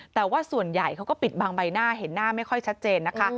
แต่ว่าส่วนใหญ่เขาก็ปิดบังใบหน้าเห็นหน้าไม่ค่อยชัดเจนนะคะ